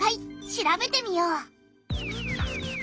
調べてみよう。